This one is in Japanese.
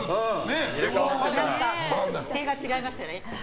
こぐ姿勢が違いましたね